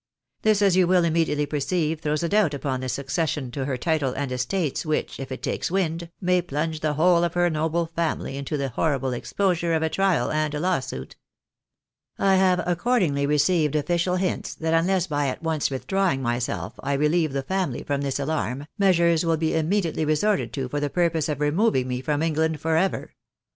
This, as you will immediately perceive, throws a doubt upon the succession to her title and estates which, if it takes wind, may plunge the whole of her noble family into the horrible exposure of a trial and a lawsuit. I have accordingly received official hints that unless by at once withdrawing myself I relieve the family from this alarm, measures will be immediately resorted to for the purpose of removing me from England for ever.